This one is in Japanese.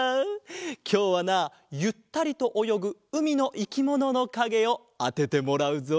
きょうはなゆったりとおよぐうみのいきもののかげをあててもらうぞ！